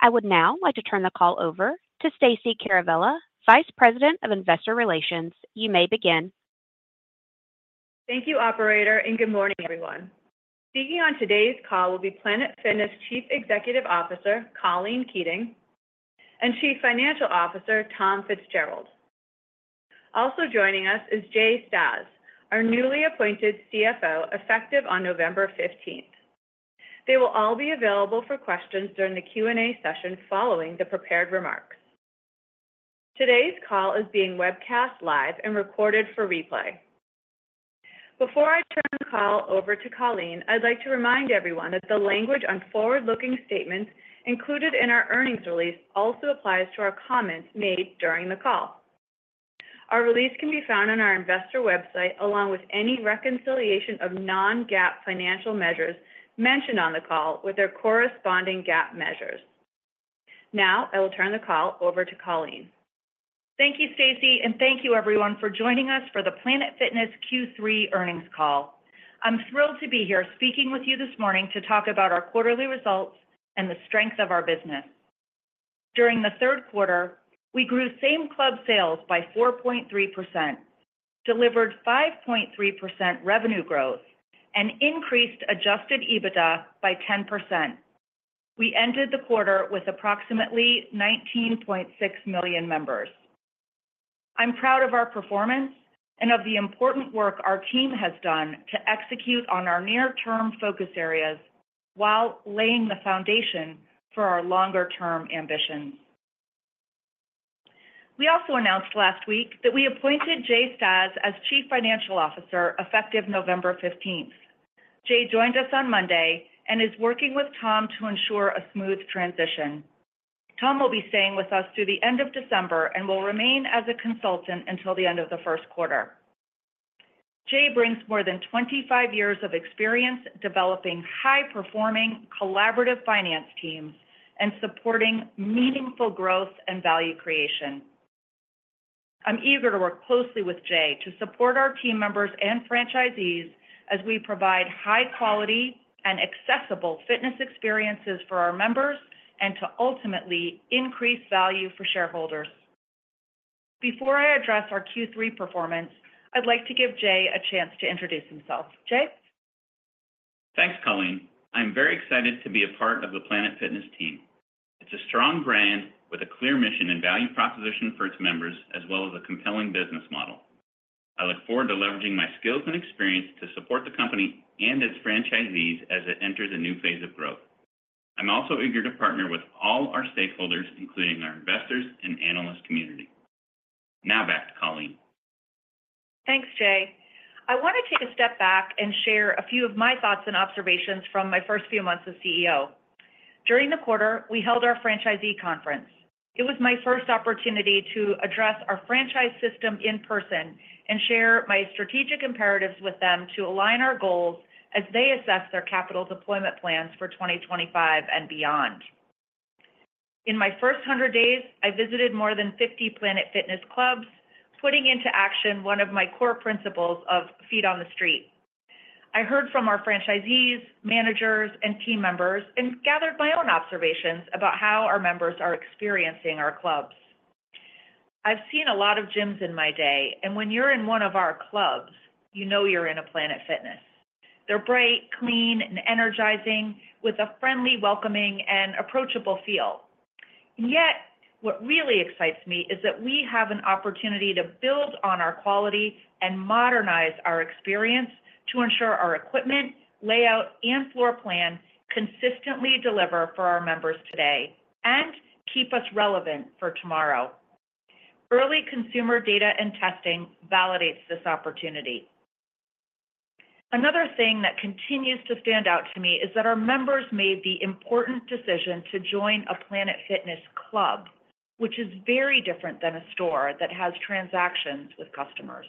I would now like to turn the call over to Stacey Caravella, Vice President of Investor Relations. You may begin. Thank you, Operator, and good morning, everyone. Speaking on today's call will be Planet Fitness Chief Executive Officer Colleen Keating and Chief Financial Officer Tom Fitzgerald. Also joining us is Jay Stasz, our newly appointed CFO, effective on November 15th. They will all be available for questions during the Q&A session following the prepared remarks. Today's call is being webcast live and recorded for replay. Before I turn the call over to Colleen, I'd like to remind everyone that the language on forward-looking statements included in our earnings release also applies to our comments made during the call. Our release can be found on our investor website along with any reconciliation of non-GAAP financial measures mentioned on the call with their corresponding GAAP measures. Now, I will turn the call over to Colleen. Thank you, Stacey, and thank you, everyone, for joining us for the Planet Fitness Q3 earnings call. I'm thrilled to be here speaking with you this morning to talk about our quarterly results and the strength of our business. During the third quarter, we grew same-club sales by 4.3%, delivered 5.3% revenue growth, and increased Adjusted EBITDA by 10%. We ended the quarter with approximately 19.6 million members. I'm proud of our performance and of the important work our team has done to execute on our near-term focus areas while laying the foundation for our longer-term ambitions. We also announced last week that we appointed Jay Stasz as Chief Financial Officer effective November 15th. Jay joined us on Monday and is working with Tom to ensure a smooth transition. Tom will be staying with us through the end of December and will remain as a consultant until the end of the first quarter. Jay brings more than 25 years of experience developing high-performing collaborative finance teams and supporting meaningful growth and value creation. I'm eager to work closely with Jay to support our team members and franchisees as we provide high-quality and accessible fitness experiences for our members and to ultimately increase value for shareholders. Before I address our Q3 performance, I'd like to give Jay a chance to introduce himself. Jay? Thanks, Colleen. I'm very excited to be a part of the Planet Fitness team. It's a strong brand with a clear mission and value proposition for its members, as well as a compelling business model. I look forward to leveraging my skills and experience to support the company and its franchisees as it enters a new phase of growth. I'm also eager to partner with all our stakeholders, including our investors and analyst community. Now back to Colleen. Thanks, Jay. I want to take a step back and share a few of my thoughts and observations from my first few months as CEO. During the quarter, we held our franchisee conference. It was my first opportunity to address our franchise system in person and share my strategic imperatives with them to align our goals as they assess their capital deployment plans for 2025 and beyond. In my first 100 days, I visited more than 50 Planet Fitness clubs, putting into action one of my core principles of feet on the street. I heard from our franchisees, managers, and team members and gathered my own observations about how our members are experiencing our clubs. I've seen a lot of gyms in my day, and when you're in one of our clubs, you know you're in a Planet Fitness. They're bright, clean, and energizing with a friendly, welcoming, and approachable feel. And yet, what really excites me is that we have an opportunity to build on our quality and modernize our experience to ensure our equipment, layout, and floor plan consistently deliver for our members today and keep us relevant for tomorrow. Early consumer data and testing validates this opportunity. Another thing that continues to stand out to me is that our members made the important decision to join a Planet Fitness club, which is very different than a store that has transactions with customers.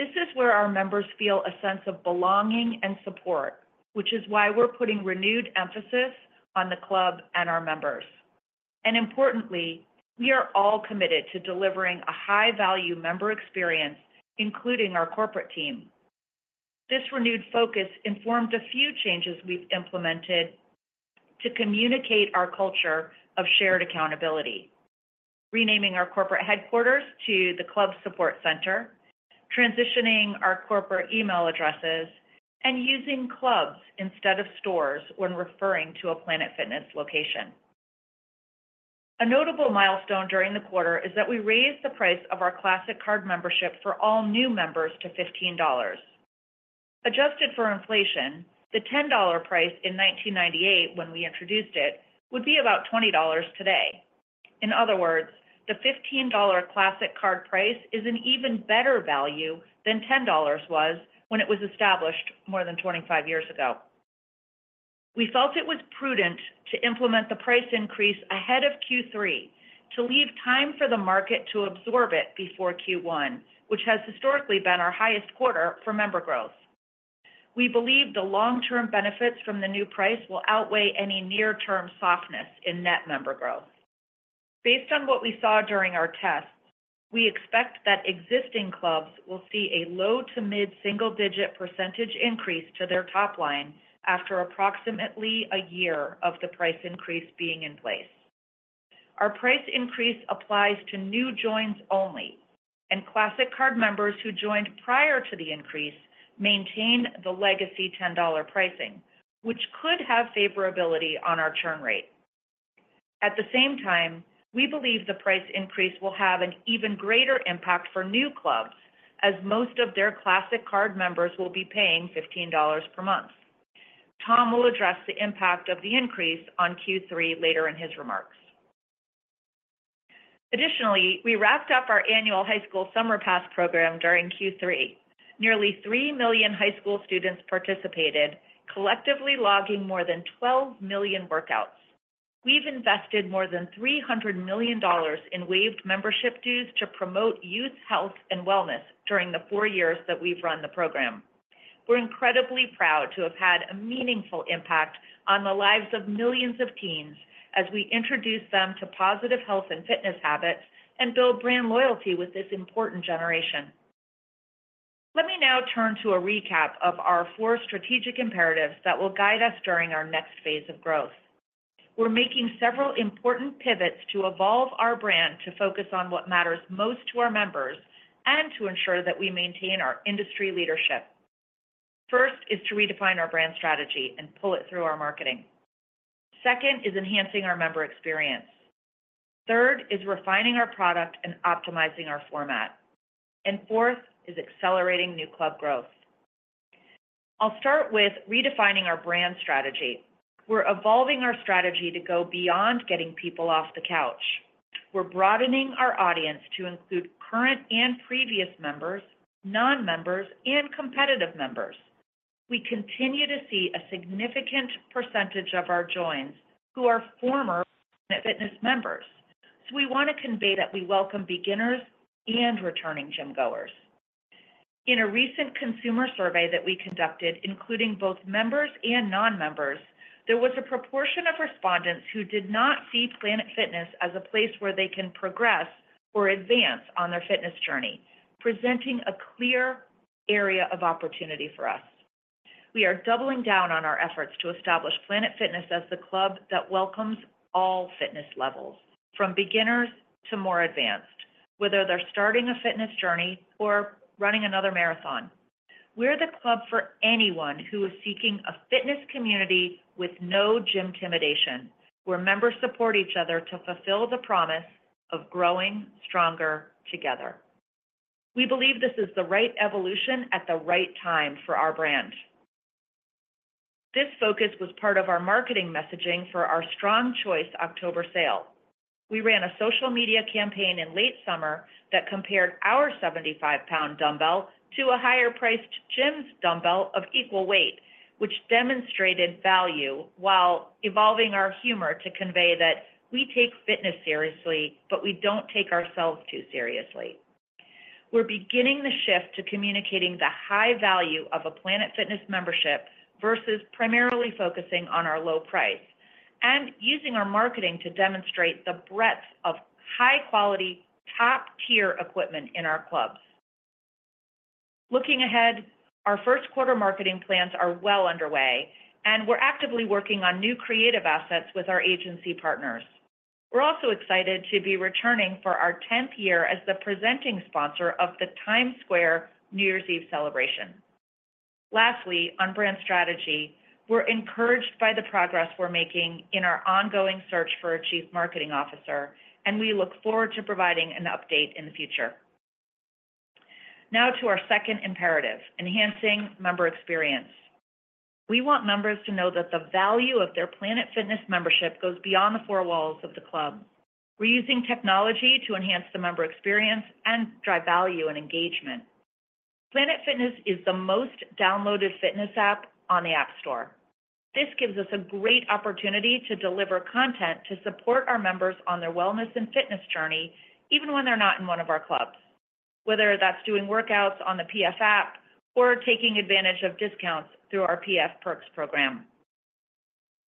This is where our members feel a sense of belonging and support, which is why we're putting renewed emphasis on the club and our members. And importantly, we are all committed to delivering a high-value member experience, including our corporate team. This renewed focus informed a few changes we've implemented to communicate our culture of shared accountability, renaming our corporate headquarters to the Club Support Center, transitioning our corporate email addresses, and using clubs instead of stores when referring to a Planet Fitness location. A notable milestone during the quarter is that we raised the price of our Classic Card membership for all new members to $15. Adjusted for inflation, the $10 price in 1998 when we introduced it would be about $20 today. In other words, the $15 Classic Card price is an even better value than $10 was when it was established more than 25 years ago. We felt it was prudent to implement the price increase ahead of Q3 to leave time for the market to absorb it before Q1, which has historically been our highest quarter for member growth. We believe the long-term benefits from the new price will outweigh any near-term softness in net member growth. Based on what we saw during our tests, we expect that existing clubs will see a low- to mid-single-digit % increase to their top line after approximately a year of the price increase being in place. Our price increase applies to new joins only, and Classic Card members who joined prior to the increase maintain the legacy $10 pricing, which could have favorability on our churn rate. At the same time, we believe the price increase will have an even greater impact for new clubs as most of their Classic Card members will be paying $15 per month. Tom will address the impact of the increase on Q3 later in his remarks. Additionally, we wrapped up our annual High School Summer Pass program during Q3. Nearly three million high school students participated, collectively logging more than 12 million workouts. We've invested more than $300 million in waived membership dues to promote youth health and wellness during the four years that we've run the program. We're incredibly proud to have had a meaningful impact on the lives of millions of teens as we introduce them to positive health and fitness habits and build brand loyalty with this important generation. Let me now turn to a recap of our four strategic imperatives that will guide us during our next phase of growth. We're making several important pivots to evolve our brand to focus on what matters most to our members and to ensure that we maintain our industry leadership. First is to redefine our brand strategy and pull it through our marketing. Second is enhancing our member experience. Third is refining our product and optimizing our format. Fourth is accelerating new club growth. I'll start with redefining our brand strategy. We're evolving our strategy to go beyond getting people off the couch. We're broadening our audience to include current and previous members, non-members, and competitive members. We continue to see a significant percentage of our joins who are former Planet Fitness members, so we want to convey that we welcome beginners and returning gym-goers. In a recent consumer survey that we conducted, including both members and non-members, there was a proportion of respondents who did not see Planet Fitness as a place where they can progress or advance on their fitness journey, presenting a clear area of opportunity for us. We are doubling down on our efforts to establish Planet Fitness as the club that welcomes all fitness levels, from beginners to more advanced, whether they're starting a fitness journey or running another marathon. We're the club for anyone who is seeking a fitness community with no gym intimidation, where members support each other to fulfill the promise of growing stronger together. We believe this is the right evolution at the right time for our brand. This focus was part of our marketing messaging for our Strong Choice October sale. We ran a social media campaign in late summer that compared our 75-lb dumbbell to a higher-priced gym's dumbbell of equal weight, which demonstrated value while evolving our humor to convey that we take fitness seriously, but we don't take ourselves too seriously. We're beginning the shift to communicating the high value of a Planet Fitness membership versus primarily focusing on our low price and using our marketing to demonstrate the breadth of high-quality, top-tier equipment in our clubs. Looking ahead, our first quarter marketing plans are well underway, and we're actively working on new creative assets with our agency partners. We're also excited to be returning for our 10th year as the presenting sponsor of the Times Square New Year's Eve celebration. Lastly, on brand strategy, we're encouraged by the progress we're making in our ongoing search for a Chief Marketing Officer, and we look forward to providing an update in the future. Now to our second imperative: enhancing member experience. We want members to know that the value of their Planet Fitness membership goes beyond the four walls of the club. We're using technology to enhance the member experience and drive value and engagement. Planet Fitness is the most downloaded fitness app on the App Store. This gives us a great opportunity to deliver content to support our members on their wellness and fitness journey, even when they're not in one of our clubs, whether that's doing workouts on the PF app or taking advantage of discounts through our PF Perks program.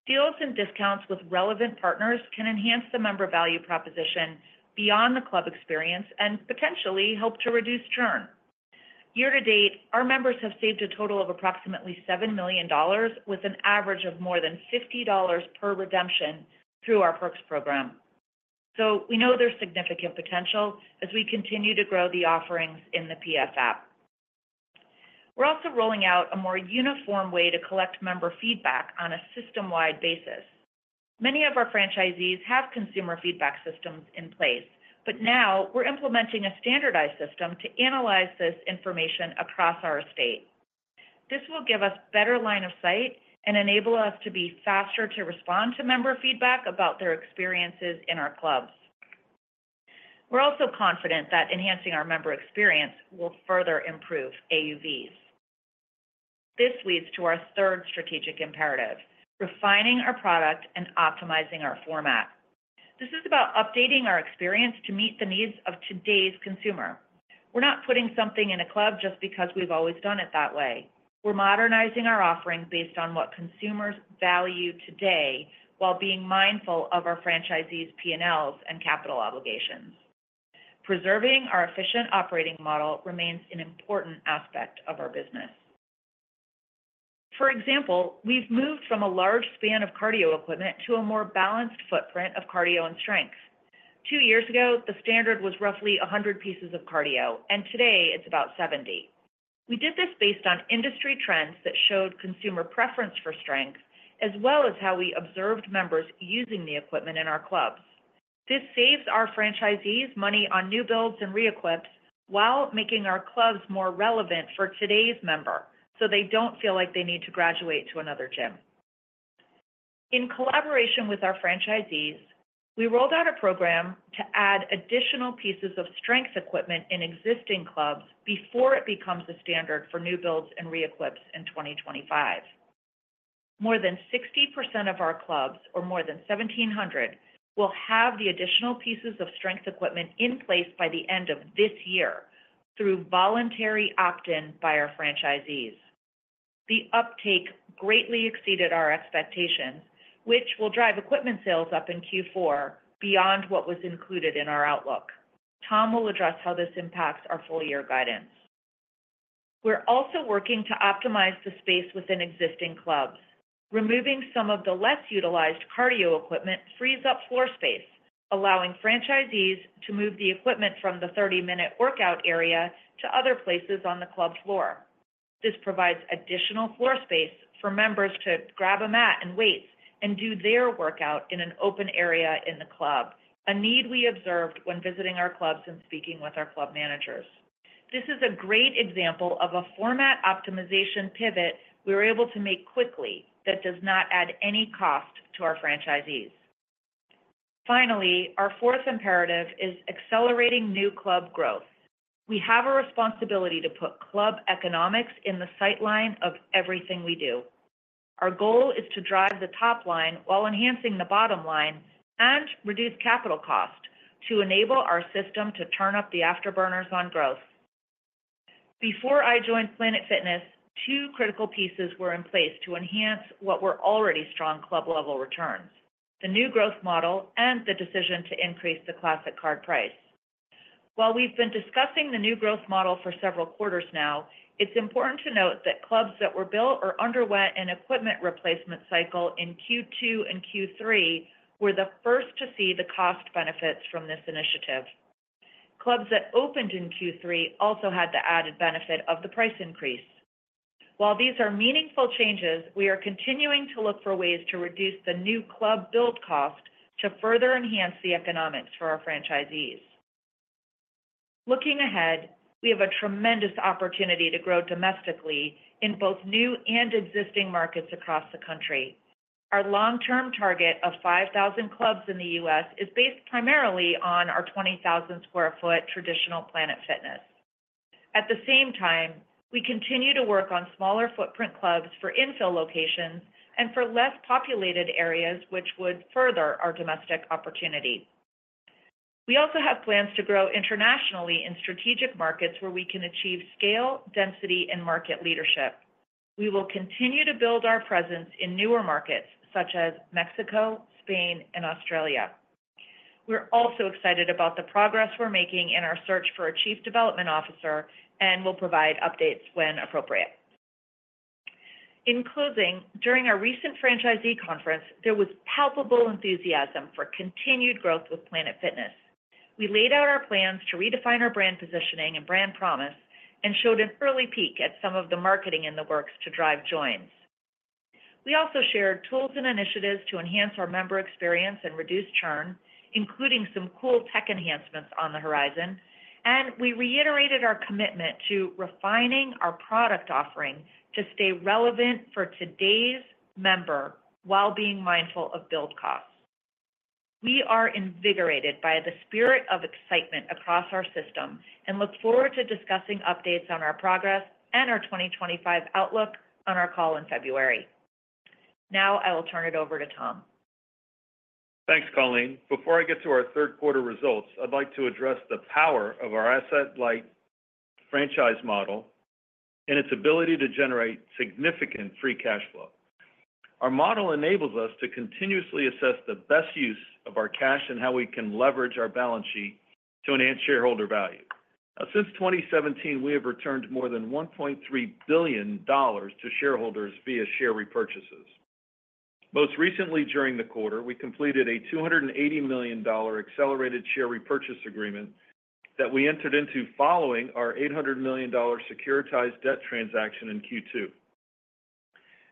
Deals and discounts with relevant partners can enhance the member value proposition beyond the club experience and potentially help to reduce churn. Year to date, our members have saved a total of approximately $7 million with an average of more than $50 per redemption through our Perks program. So we know there's significant potential as we continue to grow the offerings in the PF app. We're also rolling out a more uniform way to collect member feedback on a system-wide basis. Many of our franchisees have consumer feedback systems in place, but now we're implementing a standardized system to analyze this information across our estate. This will give us better line of sight and enable us to be faster to respond to member feedback about their experiences in our clubs. We're also confident that enhancing our member experience will further improve AUVs. This leads to our third strategic imperative: refining our product and optimizing our format. This is about updating our experience to meet the needs of today's consumer. We're not putting something in a club just because we've always done it that way. We're modernizing our offering based on what consumers value today while being mindful of our franchisees' P&Ls and capital obligations. Preserving our efficient operating model remains an important aspect of our business. For example, we've moved from a large span of cardio equipment to a more balanced footprint of cardio and strength. Two years ago, the standard was roughly 100 pieces of cardio, and today it's about 70. We did this based on industry trends that showed consumer preference for strength, as well as how we observed members using the equipment in our clubs. This saves our franchisees money on new builds and re-equips while making our clubs more relevant for today's member so they don't feel like they need to graduate to another gym. In collaboration with our franchisees, we rolled out a program to add additional pieces of strength equipment in existing clubs before it becomes a standard for new builds and re-equips in 2025. More than 60% of our clubs, or more than 1,700, will have the additional pieces of strength equipment in place by the end of this year through voluntary opt-in by our franchisees. The uptake greatly exceeded our expectations, which will drive equipment sales up in Q4 beyond what was included in our outlook. Tom will address how this impacts our full-year guidance. We're also working to optimize the space within existing clubs. Removing some of the less utilized cardio equipment frees up floor space, allowing franchisees to move the equipment from the 30-minute workout area to other places on the club floor. This provides additional floor space for members to grab a mat and weights and do their workout in an open area in the club, a need we observed when visiting our clubs and speaking with our club managers. This is a great example of a format optimization pivot we were able to make quickly that does not add any cost to our franchisees. Finally, our fourth imperative is accelerating new club growth. We have a responsibility to put club economics in the sightline of everything we do. Our goal is to drive the top line while enhancing the bottom line and reduce capital cost to enable our system to turn up the afterburners on growth. Before I joined Planet Fitness, two critical pieces were in place to enhance what were already strong club-level returns: the new growth model and the decision to increase the Classic Card price. While we've been discussing the new growth model for several quarters now, it's important to note that clubs that were built or underwent an equipment replacement cycle in Q2 and Q3 were the first to see the cost benefits from this initiative. Clubs that opened in Q3 also had the added benefit of the price increase. While these are meaningful changes, we are continuing to look for ways to reduce the new club build cost to further enhance the economics for our franchisees. Looking ahead, we have a tremendous opportunity to grow domestically in both new and existing markets across the country. Our long-term target of 5,000 clubs in the U.S. is based primarily on our 20,000-sq-ft traditional Planet Fitness. At the same time, we continue to work on smaller footprint clubs for infill locations and for less populated areas, which would further our domestic opportunity. We also have plans to grow internationally in strategic markets where we can achieve scale, density, and market leadership. We will continue to build our presence in newer markets such as Mexico, Spain, and Australia. We're also excited about the progress we're making in our search for a Chief Development Officer and will provide updates when appropriate. In closing, during our recent franchisee conference, there was palpable enthusiasm for continued growth with Planet Fitness. We laid out our plans to redefine our brand positioning and brand promise and showed an early peek at some of the marketing in the works to drive joins. We also shared tools and initiatives to enhance our member experience and reduce churn, including some cool tech enhancements on the horizon, and we reiterated our commitment to refining our product offering to stay relevant for today's member while being mindful of build costs. We are invigorated by the spirit of excitement across our system and look forward to discussing updates on our progress and our 2025 outlook on our call in February. Now I will turn it over to Tom. Thanks, Colleen. Before I get to our third quarter results, I'd like to address the power of our asset-light franchise model and its ability to generate significant free cash flow. Our model enables us to continuously assess the best use of our cash and how we can leverage our balance sheet to enhance shareholder value. Since 2017, we have returned more than $1.3 billion to shareholders via share repurchases. Most recently, during the quarter, we completed a $280 million accelerated share repurchase agreement that we entered into following our $800 million securitized debt transaction in Q2.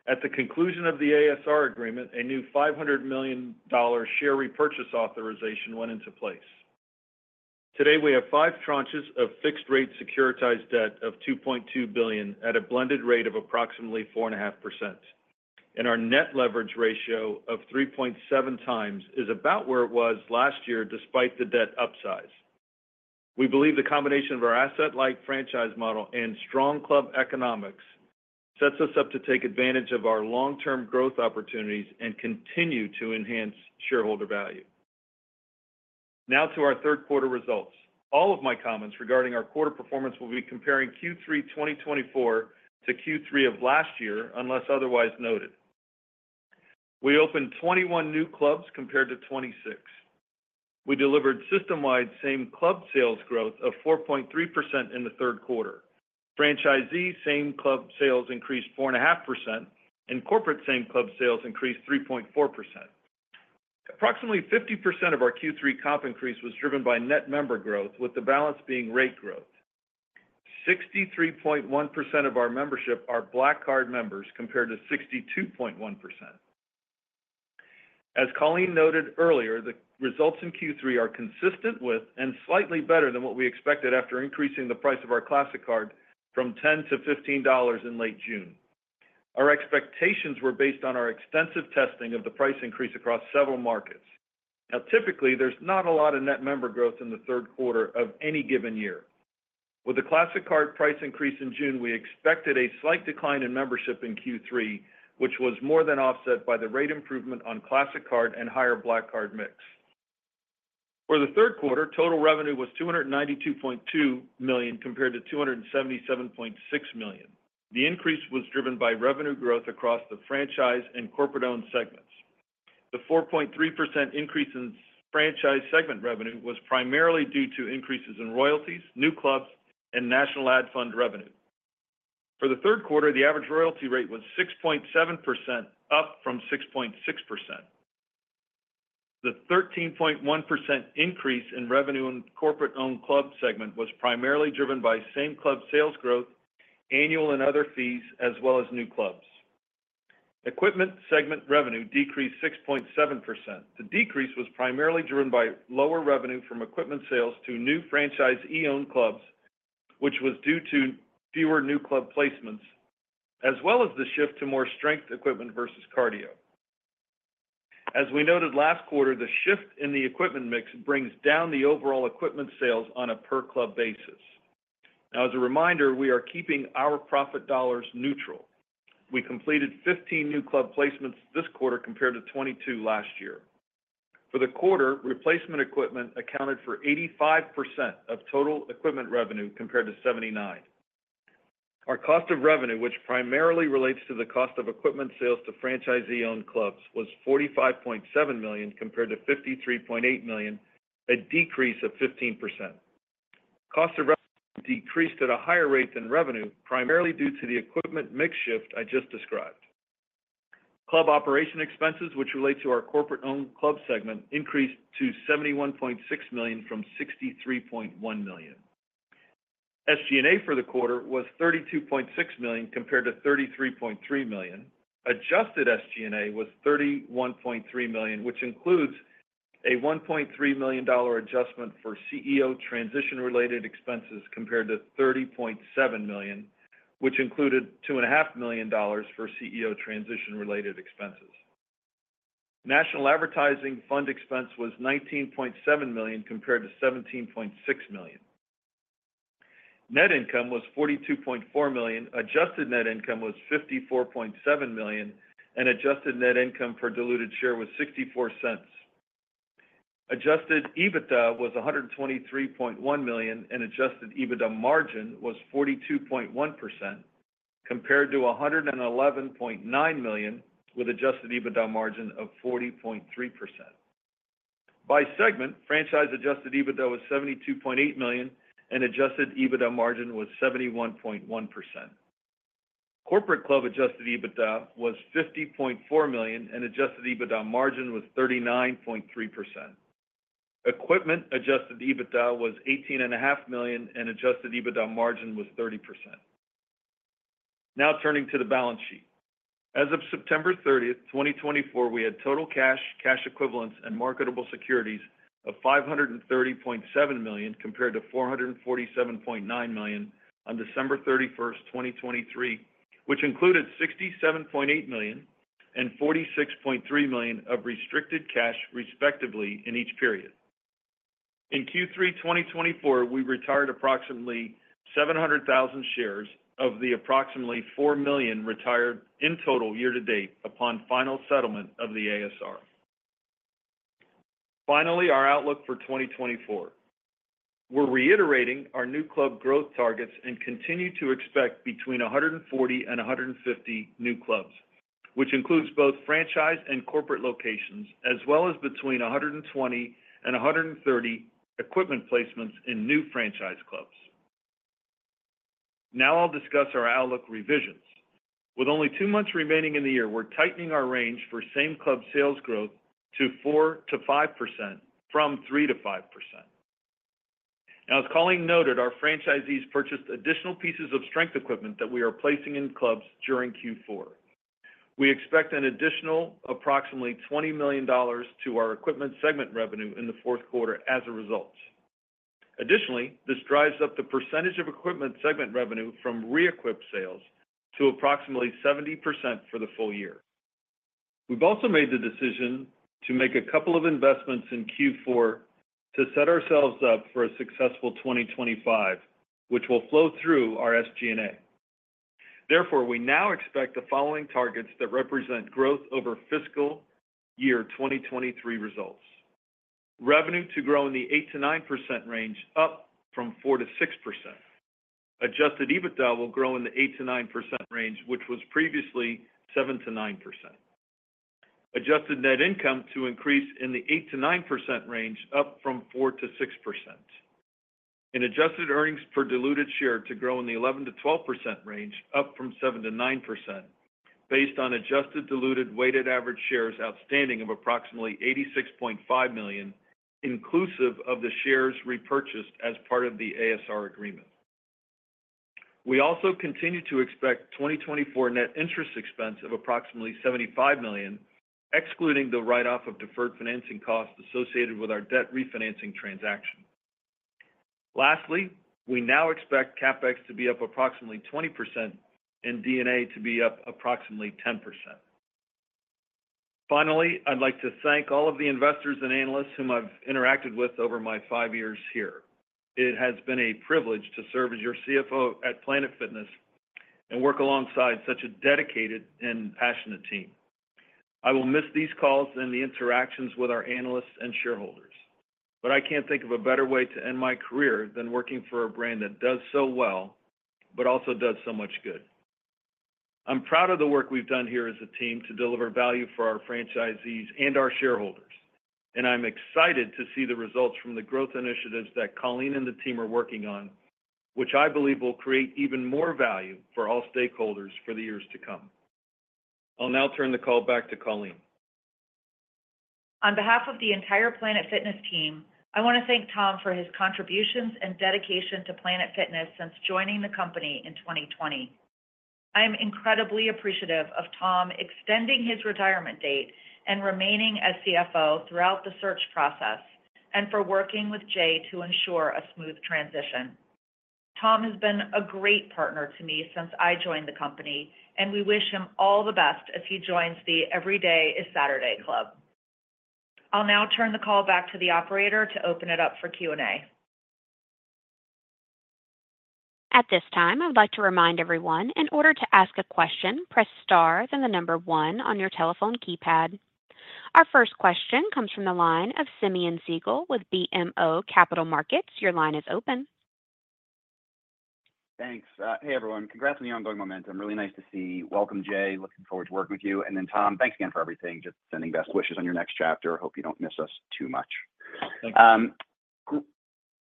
At the conclusion of the ASR agreement, a new $500 million share repurchase authorization went into place. Today, we have five tranches of fixed-rate securitized debt of $2.2 billion at a blended rate of approximately 4.5%, and our net leverage ratio of 3.7 times is about where it was last year despite the debt upsize. We believe the combination of our asset-light franchise model and strong club economics sets us up to take advantage of our long-term growth opportunities and continue to enhance shareholder value. Now to our third quarter results. All of my comments regarding our quarter performance will be comparing Q3 2024 to Q3 of last year, unless otherwise noted. We opened 21 new clubs compared to 26. We delivered system-wide same club sales growth of 4.3% in the third quarter. Franchisee same club sales increased 4.5%, and corporate same club sales increased 3.4%. Approximately 50% of our Q3 comp increase was driven by net member growth, with the balance being rate growth. 63.1% of our membership are Black Card members compared to 62.1%. As Colleen noted earlier, the results in Q3 are consistent with and slightly better than what we expected after increasing the price of our Classic Card from $10 to $15 in late June. Our expectations were based on our extensive testing of the price increase across several markets. Now, typically, there's not a lot of net member growth in the third quarter of any given year. With the Classic Card price increase in June, we expected a slight decline in membership in Q3, which was more than offset by the rate improvement on Classic Card and higher Black Card mix. For the third quarter, total revenue was $292.2 million compared to $277.6 million. The increase was driven by revenue growth across the franchise and corporate-owned segments. The 4.3% increase in franchise segment revenue was primarily due to increases in royalties, new clubs, and national ad fund revenue. For the third quarter, the average royalty rate was 6.7%, up from 6.6%. The 13.1% increase in revenue in corporate-owned club segment was primarily driven by same club sales growth, annual and other fees, as well as new clubs. Equipment segment revenue decreased 6.7%. The decrease was primarily driven by lower revenue from equipment sales to new franchisee-owned clubs, which was due to fewer new club placements, as well as the shift to more strength equipment versus cardio. As we noted last quarter, the shift in the equipment mix brings down the overall equipment sales on a per-club basis. Now, as a reminder, we are keeping our profit dollars neutral. We completed 15 new club placements this quarter compared to 22 last year. For the quarter, replacement equipment accounted for 85% of total equipment revenue compared to 79%. Our cost of revenue, which primarily relates to the cost of equipment sales to franchisee-owned clubs, was $45.7 million compared to $53.8 million, a decrease of 15%. Cost of revenue decreased at a higher rate than revenue, primarily due to the equipment mix shift I just described. Club operation expenses, which relate to our corporate-owned club segment, increased to $71.6 million from $63.1 million. SG&A for the quarter was $32.6 million compared to $33.3 million. Adjusted SG&A was $31.3 million, which includes a $1.3 million adjustment for CEO transition-related expenses compared to $30.7 million, which included $2.5 million for CEO transition-related expenses. National advertising fund expense was $19.7 million compared to $17.6 million. Net income was $42.4 million. Adjusted net income was $54.7 million, and adjusted net income per diluted share was $0.64. Adjusted EBITDA was $123.1 million, and adjusted EBITDA margin was 42.1% compared to $111.9 million with adjusted EBITDA margin of 40.3%. By segment, franchise adjusted EBITDA was $72.8 million, and adjusted EBITDA margin was 71.1%. Corporate club adjusted EBITDA was $50.4 million, and adjusted EBITDA margin was 39.3%. Equipment adjusted EBITDA was $18.5 million, and adjusted EBITDA margin was 30%. Now turning to the balance sheet. As of September 30, 2024, we had total cash, cash equivalents, and marketable securities of $530.7 million compared to $447.9 million on December 31, 2023, which included $67.8 million and $46.3 million of restricted cash, respectively, in each period. In Q3 2024, we retired approximately 700,000 shares of the approximately 4 million retired in total year-to-date upon final settlement of the ASR. Finally, our outlook for 2024. We're reiterating our new club growth targets and continue to expect between 140 and 150 new clubs, which includes both franchise and corporate locations, as well as between 120 and 130 equipment placements in new franchise clubs. Now I'll discuss our outlook revisions. With only two months remaining in the year, we're tightening our range for same club sales growth to 4%-5% from 3%-5%. As Colleen noted, our franchisees purchased additional pieces of strength equipment that we are placing in clubs during Q4. We expect an additional approximately $20 million to our equipment segment revenue in the fourth quarter as a result. Additionally, this drives up the percentage of equipment segment revenue from re-equip sales to approximately 70% for the full year. We've also made the decision to make a couple of investments in Q4 to set ourselves up for a successful 2025, which will flow through our SG&A. Therefore, we now expect the following targets that represent growth over fiscal year 2023 results: revenue to grow in the 8%-9% range, up from 4%-6%. Adjusted EBITDA will grow in the 8%-9% range, which was previously 7%-9%. Adjusted net income to increase in the 8%-9% range, up from 4%-6%. And adjusted earnings per diluted share to grow in the 11%-12% range, up from 7%-9%, based on adjusted diluted weighted average shares outstanding of approximately 86.5 million, inclusive of the shares repurchased as part of the ASR agreement. We also continue to expect 2024 net interest expense of approximately $75 million, excluding the write-off of deferred financing costs associated with our debt refinancing transaction. Lastly, we now expect CapEx to be up approximately 20% and D&A to be up approximately 10%. Finally, I'd like to thank all of the investors and analysts whom I've interacted with over my five years here. It has been a privilege to serve as your CFO at Planet Fitness and work alongside such a dedicated and passionate team. I will miss these calls and the interactions with our analysts and shareholders, but I can't think of a better way to end my career than working for a brand that does so well but also does so much good. I'm proud of the work we've done here as a team to deliver value for our franchisees and our shareholders, and I'm excited to see the results from the growth initiatives that Colleen and the team are working on, which I believe will create even more value for all stakeholders for the years to come. I'll now turn the call back to Colleen. On behalf of the entire Planet Fitness team, I want to thank Tom for his contributions and dedication to Planet Fitness since joining the company in 2020. I am incredibly appreciative of Tom extending his retirement date and remaining as CFO throughout the search process and for working with Jay to ensure a smooth transition. Tom has been a great partner to me since I joined the company, and we wish him all the best as he joins the Everyday is Saturday Club. I'll now turn the call back to the operator to open it up for Q&A. At this time, I would like to remind everyone, in order to ask a question, press star then the number one on your telephone keypad. Our first question comes from the line of Simeon Siegel with BMO Capital Markets. Your line is open. Thanks. Hey, everyone. Congrats on the ongoing momentum. Really nice to see you. Welcome, Jay. Looking forward to working with you. And then, Tom, thanks again for everything. Just sending best wishes on your next chapter. Hope you don't miss us too much.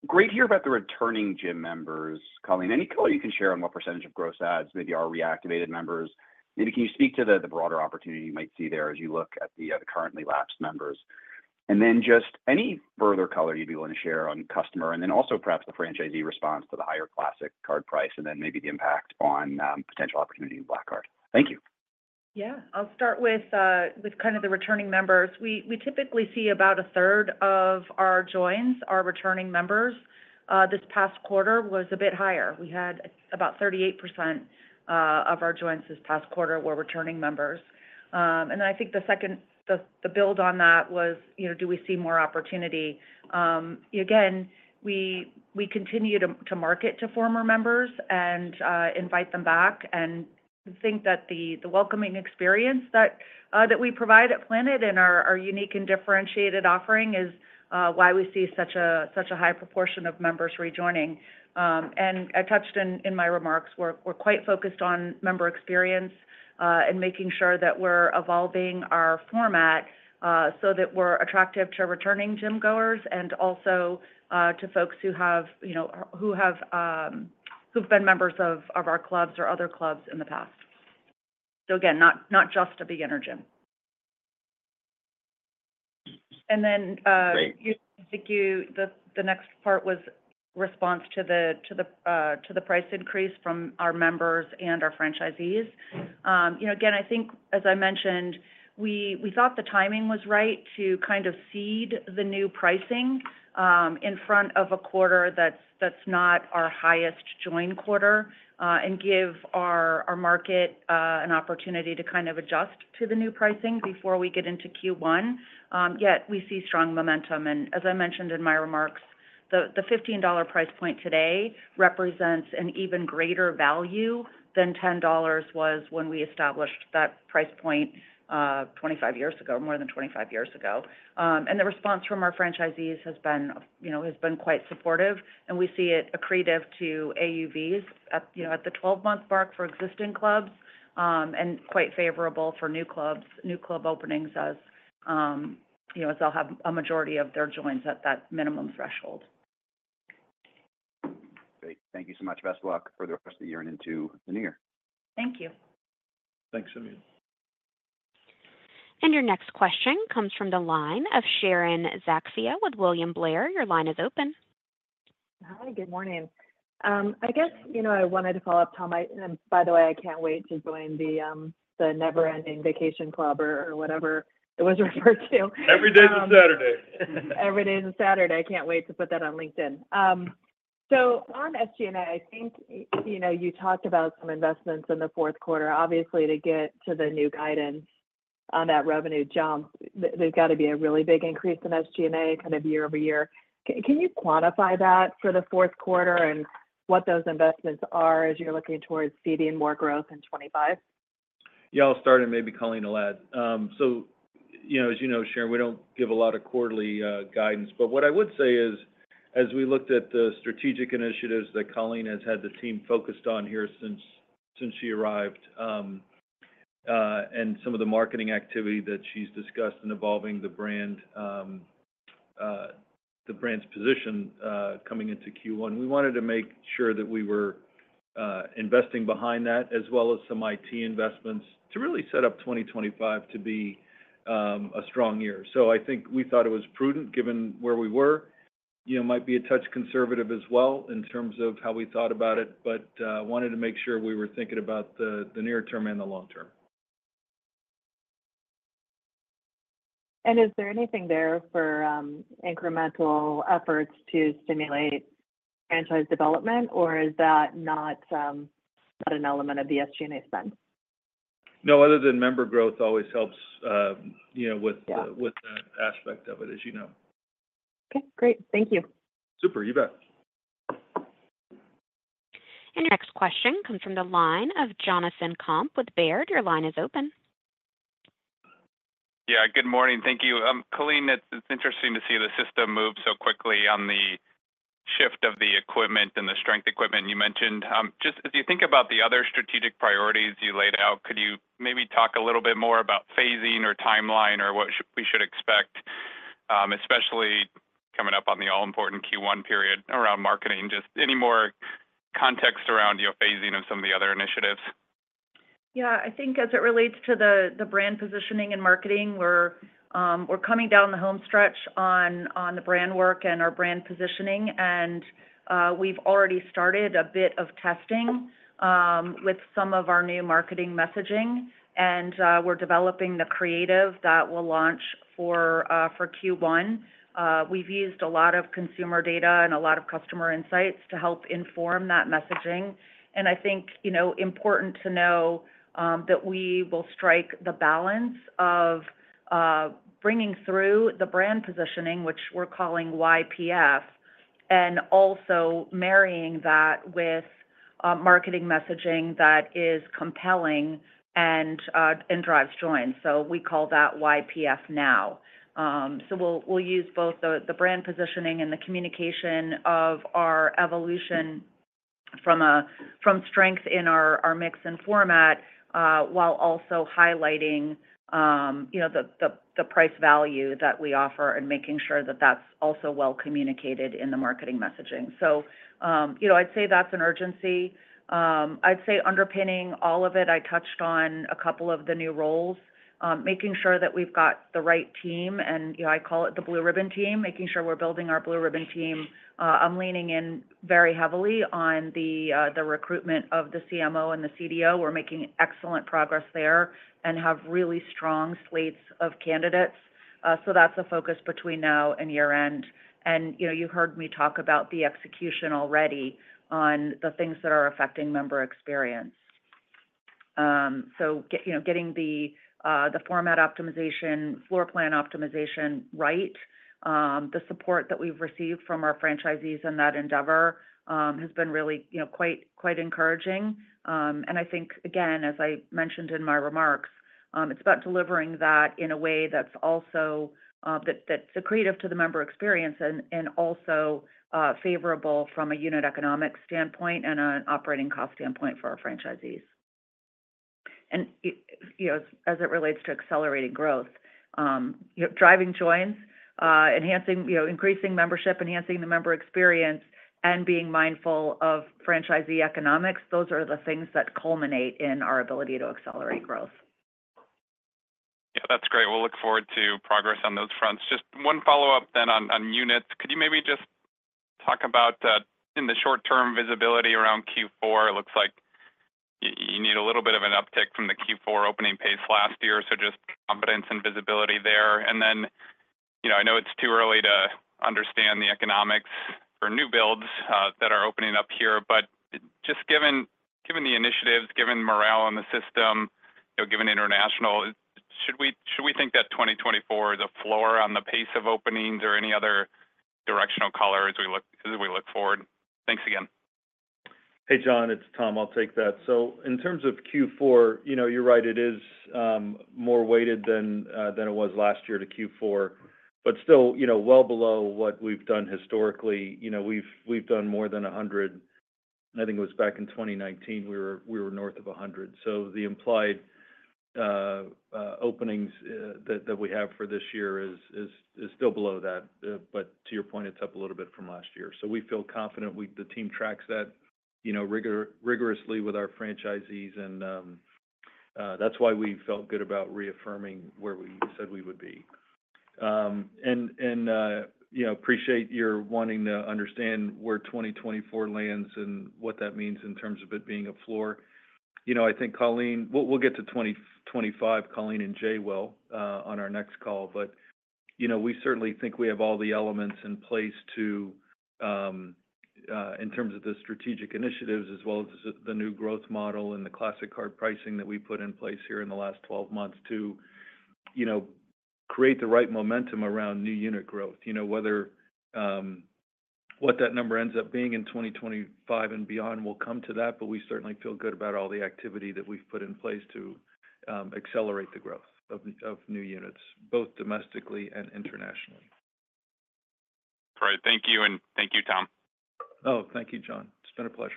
Great to hear about the returning gym members, Colleen. Any color you can share on what percentage of gross adds, maybe, are reactivated members? Maybe can you speak to the broader opportunity you might see there as you look at the currently lapsed members? And then just any further color you'd be willing to share on customer and then also perhaps the franchisee response to the higher Classic Card price and then maybe the impact on potential opportunity in Black Card. Thank you. Yeah. I'll start with kind of the returning members. We typically see about a third of our joins are returning members. This past quarter was a bit higher. We had about 38% of our joins this past quarter were returning members. And then I think the second, the build on that was, do we see more opportunity? Again, we continue to market to former members and invite them back and think that the welcoming experience that we provide at Planet and our unique and differentiated offering is why we see such a high proportion of members rejoining. I touched in my remarks, we're quite focused on member experience and making sure that we're evolving our format so that we're attractive to returning gym goers and also to folks who have been members of our clubs or other clubs in the past. Again, not just a beginner gym. Then I think the next part was response to the price increase from our members and our franchisees. Again, I think, as I mentioned, we thought the timing was right to kind of seed the new pricing in front of a quarter that's not our highest join quarter and give our market an opportunity to kind of adjust to the new pricing before we get into Q1. Yet we see strong momentum. And as I mentioned in my remarks, the $15 price point today represents an even greater value than $10 was when we established that price point 25 years ago, more than 25 years ago. And the response from our franchisees has been quite supportive, and we see it accretive to AUVs at the 12-month mark for existing clubs and quite favorable for new club openings as they'll have a majority of their joins at that minimum threshold. Great. Thank you so much. Best of luck for the rest of the year and into the new year. Thank you. Thanks, Colleen. And your next question comes from the line of Sharon Zackfia with William Blair. Your line is open. Hi. Good morning. I guess I wanted to follow up, Tom. By the way, I can't wait to join the never-ending vacation club or whatever it was referred to. Everyday is a Saturday. Every day is a Saturday. I can't wait to put that on LinkedIn. So on SG&A, I think you talked about some investments in the fourth quarter. Obviously, to get to the new guidance on that revenue jump, there's got to be a really big increase in SG&A kind of year over year. Can you quantify that for the fourth quarter and what those investments are as you're looking towards seeding more growth in 2025? Yeah. I'll start and maybe Colleen will add. So as you know, Sharon, we don't give a lot of quarterly guidance. But what I would say is, as we looked at the strategic initiatives that Colleen has had the team focused on here since she arrived and some of the marketing activity that she's discussed and evolving the brand's position coming into Q1, we wanted to make sure that we were investing behind that as well as some IT investments to really set up 2025 to be a strong year. So I think we thought it was prudent given where we were. Might be a touch conservative as well in terms of how we thought about it, but wanted to make sure we were thinking about the near term and the long term. And is there anything there for incremental efforts to stimulate franchise development, or is that not an element of the SG&A spend? No, other than member growth always helps with that aspect of it, as you know. Okay. Great. Thank you. Super. You bet. And your next question comes from the line of Jonathan Komp with Baird. Your line is open. Yeah. Good morning. Thank you. Colleen, it's interesting to see the system move so quickly on the shift of the equipment and the strength equipment you mentioned. Just as you think about the other strategic priorities you laid out, could you maybe talk a little bit more about phasing or timeline or what we should expect, especially coming up on the all-important Q1 period around marketing? Just any more context around phasing of some of the other initiatives? Yeah. I think as it relates to the brand positioning and marketing, we're coming down the home stretch on the brand work and our brand positioning. We've already started a bit of testing with some of our new marketing messaging, and we're developing the creative that will launch for Q1. We've used a lot of consumer data and a lot of customer insights to help inform that messaging. I think important to know that we will strike the balance of bringing through the brand positioning, which we're calling YPF, and also marrying that with marketing messaging that is compelling and drives joins. We call that YPF now. We'll use both the brand positioning and the communication of our evolution from strength in our mix and format while also highlighting the price value that we offer and making sure that that's also well communicated in the marketing messaging. I'd say that's an urgency. I'd say underpinning all of it, I touched on a couple of the new roles, making sure that we've got the right team, and I call it the blue ribbon team, making sure we're building our blue ribbon team. I'm leaning in very heavily on the recruitment of the CMO and the CDO. We're making excellent progress there and have really strong slates of candidates. So that's a focus between now and year-end. And you heard me talk about the execution already on the things that are affecting member experience. So getting the format optimization, floor plan optimization right, the support that we've received from our franchisees in that endeavor has been really quite encouraging. And I think, again, as I mentioned in my remarks, it's about delivering that in a way that's also accretive to the member experience and also favorable from a unit economics standpoint and an operating cost standpoint for our franchisees. And as it relates to accelerating growth, driving joins, increasing membership, enhancing the member experience, and being mindful of franchisee economics, those are the things that culminate in our ability to accelerate growth. Yeah. That's great. We'll look forward to progress on those fronts. Just one follow-up then on units. Could you maybe just talk about in the short-term visibility around Q4? It looks like you need a little bit of an uptick from the Q4 opening pace last year, so just confidence and visibility there. And then I know it's too early to understand the economics for new builds that are opening up here, but just given the initiatives, given morale in the system, given international, should we think that 2024 is a floor on the pace of openings or any other directional color as we look forward? Thanks again. Hey, Jon. It's Tom. I'll take that. So in terms of Q4, you're right. It is more weighted than it was last year to Q4, but still well below what we've done historically. We've done more than 100. I think it was back in 2019, we were north of 100. So the implied openings that we have for this year is still below that. But to your point, it's up a little bit from last year. We feel confident the team tracks that rigorously with our franchisees, and that's why we felt good about reaffirming where we said we would be, and appreciate your wanting to understand where 2024 lands and what that means in terms of it being a floor. I think Colleen, we'll get to 2025, Colleen and Jay will on our next call, but we certainly think we have all the elements in place in terms of the strategic initiatives as well as the new growth model and the Classic Card pricing that we put in place here in the last 12 months to create the right momentum around new unit growth. Whatever that number ends up being in 2025 and beyond, we'll come to that, but we certainly feel good about all the activity that we've put in place to accelerate the growth of new units, both domestically and internationally. All right. Thank you. And thank you, Tom. Oh, thank you, Jon. It's been a pleasure.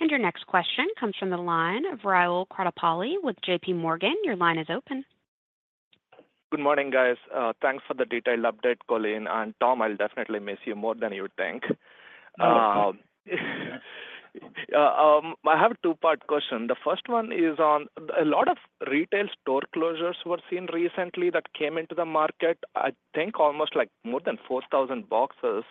And your next question comes from the line of Rahul Krotthapalli with JPMorgan. Your line is open. Good morning, guys. Thanks for the detailed update, Colleen. And Tom, I'll definitely miss you more than you'd think. I have a two-part question. The first one is on a lot of retail store closures were seen recently that came into the market, I think almost like more than 4,000 boxes.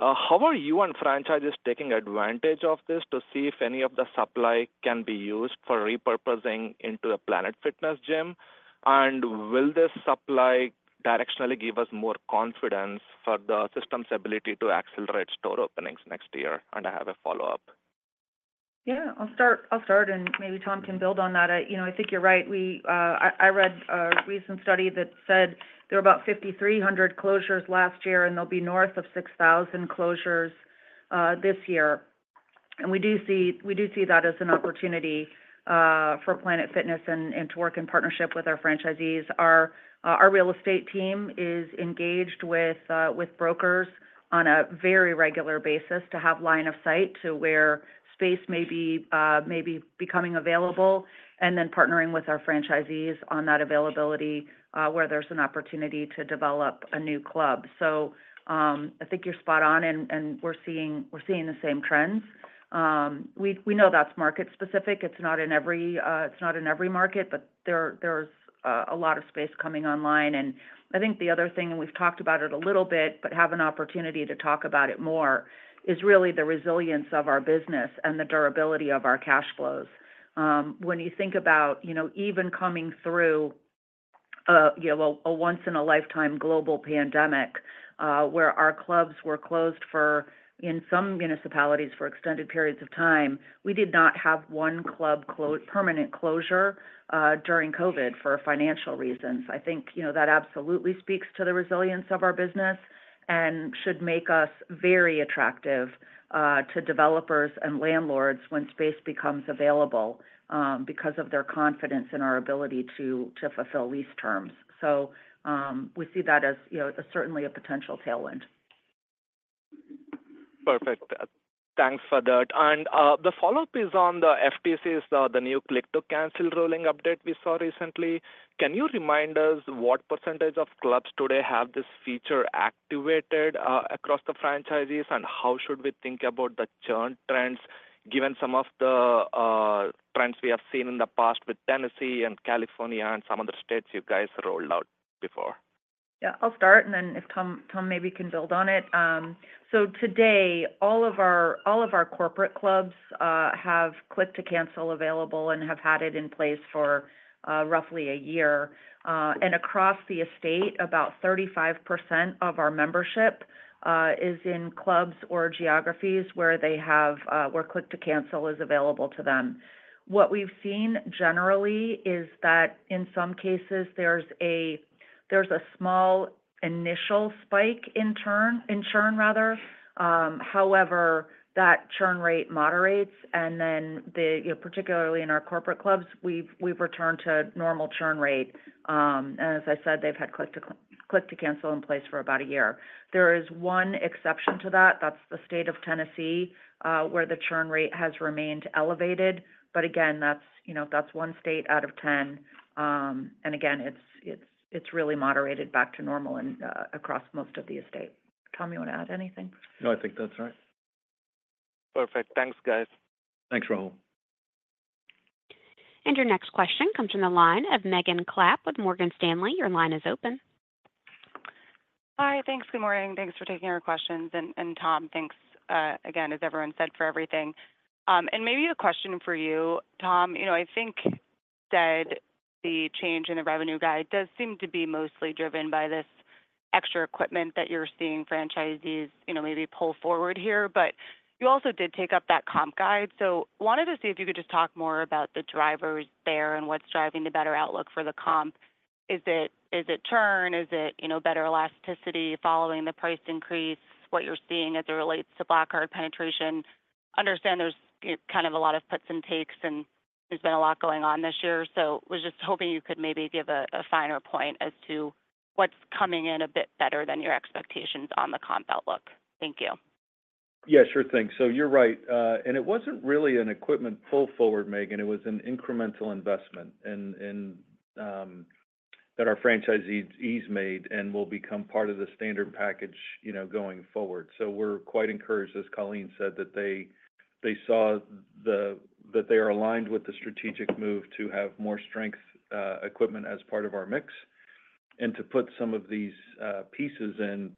How are you and franchises taking advantage of this to see if any of the supply can be used for repurposing into a Planet Fitness gym? And will this supply directionally give us more confidence for the system's ability to accelerate store openings next year? And I have a follow-up. Yeah. I'll start, and maybe Tom can build on that. I think you're right. I read a recent study that said there were about 5,300 closures last year, and they'll be north of 6,000 closures this year, and we do see that as an opportunity for Planet Fitness and to work in partnership with our franchisees. Our real estate team is engaged with brokers on a very regular basis to have line of sight to where space may be becoming available and then partnering with our franchisees on that availability where there's an opportunity to develop a new club, so I think you're spot on, and we're seeing the same trends. We know that's market-specific. It's not in every market, but there's a lot of space coming online. I think the other thing, and we've talked about it a little bit, but have an opportunity to talk about it more, is really the resilience of our business and the durability of our cash flows. When you think about even coming through a once-in-a-lifetime global pandemic where our clubs were closed in some municipalities for extended periods of time, we did not have one club permanent closure during COVID for financial reasons. I think that absolutely speaks to the resilience of our business and should make us very attractive to developers and landlords when space becomes available because of their confidence in our ability to fulfill lease terms. So we see that as certainly a potential tailwind. Perfect. Thanks for that. The follow-up is on the FTC's, the new Click-to-Cancel rolling update we saw recently. Can you remind us what percentage of clubs today have this feature activated across the franchisees, and how should we think about the churn trends given some of the trends we have seen in the past with Tennessee and California and some other states you guys rolled out before? Yeah. I'll start, and then if Tom maybe can build on it, so today, all of our corporate clubs have click-to-cancel available and have had it in place for roughly a year, and across the estate, about 35% of our membership is in clubs or geographies where click-to-cancel is available to them. What we've seen generally is that in some cases, there's a small initial spike in churn. However, that churn rate moderates, and then particularly in our corporate clubs, we've returned to normal churn rate, and as I said, they've had click-to-cancel in place for about a year. There is one exception to that. That's the state of Tennessee where the churn rate has remained elevated. But again, that's one state out of 10. And again, it's really moderated back to normal across most of the state. Tom, you want to add anything? No, I think that's right. Perfect. Thanks, guys. Thanks, Rahul. And your next question comes from the line of Megan Clapp with Morgan Stanley. Your line is open. Hi. Thanks. Good morning. Thanks for taking our questions. And Tom, thanks again, as everyone said, for everything. And maybe a question for you, Tom. I think said the change in the revenue guide does seem to be mostly driven by this extra equipment that you're seeing franchisees maybe pull forward here. But you also did take up that comp guide. Wanted to see if you could just talk more about the drivers there and what's driving the better outlook for the comp. Is it churn? Is it better elasticity following the price increase, what you're seeing as it relates to Black Card penetration? Understand there's kind of a lot of puts and takes, and there's been a lot going on this year. So was just hoping you could maybe give a finer point as to what's coming in a bit better than your expectations on the comp outlook. Thank you. Yeah, sure thing. So you're right. And it wasn't really an equipment pull forward, Megan. It was an incremental investment that our franchisees made and will become part of the standard package going forward. So we're quite encouraged, as Colleen said, that they saw that they are aligned with the strategic move to have more strength equipment as part of our mix and to put some of these pieces in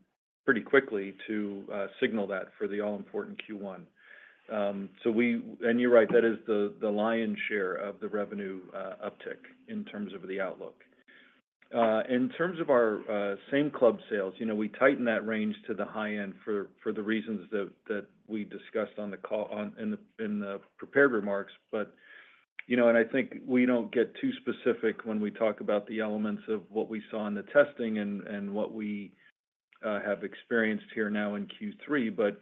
pretty quickly to signal that for the all-important Q1. And you're right. That is the lion's share of the revenue uptick in terms of the outlook. In terms of our same club sales, we tighten that range to the high end for the reasons that we discussed on the call in the prepared remarks. And I think we don't get too specific when we talk about the elements of what we saw in the testing and what we have experienced here now in Q3. But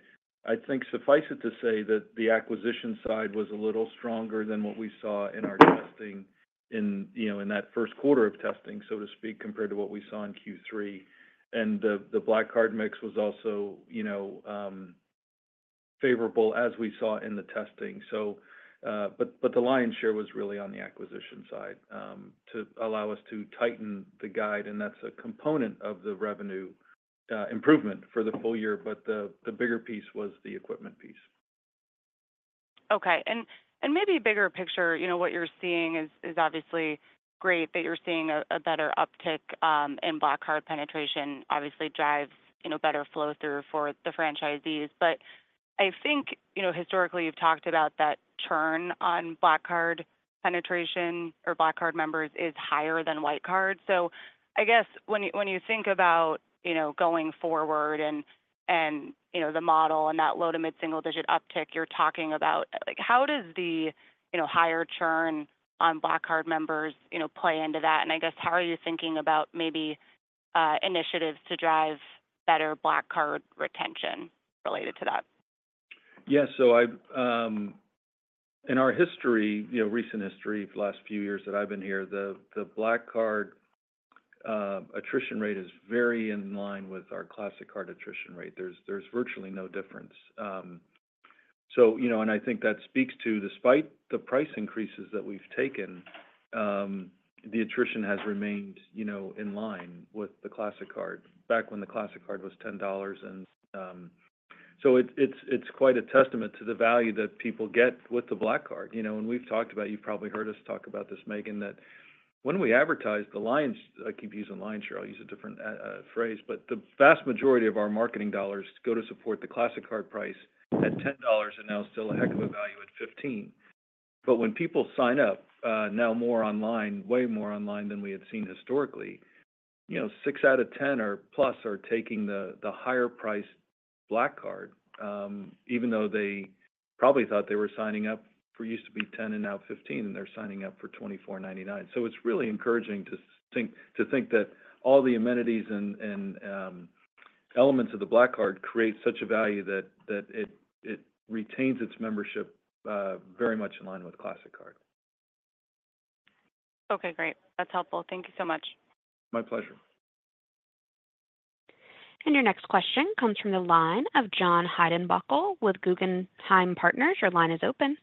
I think suffice it to say that the acquisition side was a little stronger than what we saw in our testing in that first quarter of testing, so to speak, compared to what we saw in Q3. And the Black Card mix was also favorable as we saw in the testing. But the lion's share was really on the acquisition side to allow us to tighten the guide. And that's a component of the revenue improvement for the full year, but the bigger piece was the equipment piece. Okay. And maybe a bigger picture, what you're seeing is obviously great that you're seeing a better uptick in Black Card penetration. Obviously, it drives better flow through for the franchisees. But I think historically, you've talked about that churn on Black Card penetration or Black Card members is higher than White Card. So, I guess when you think about going forward and the model and that low to mid-single-digit uptick you're talking about, how does the higher churn on Black Card members play into that? And I guess how are you thinking about maybe initiatives to drive better Black Card retention related to that? Yeah. So in our history, recent history, the last few years that I've been here, the Black Card attrition rate is very in line with our Classic Card attrition rate. There's virtually no difference. And I think that speaks to, despite the price increases that we've taken, the attrition has remained in line with the Classic Card. Back when the Classic Card was $10. And so it's quite a testament to the value that people get with the Black Card. We've talked about, you've probably heard us talk about this, Megan, that when we advertise, the lion's. I keep using lion's share. I'll use a different phrase, but the vast majority of our marketing dollars go to support the Classic Card price at $10 and now still a heck of a value at $15, but when people sign up now more online, way more online than we had seen historically, six out of 10 or plus are taking the higher-priced Black Card, even though they probably thought they were signing up for used to be $10 and now $15, and they're signing up for $24.99, so it's really encouraging to think that all the amenities and elements of the Black Card create such a value that it retains its membership very much in line with Classic Card. Okay. Great. That's helpful. Thank you so much. My pleasure. Your next question comes from the line of John Heinbockel with Guggenheim Partners. Your line is open.